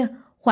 càng về khuya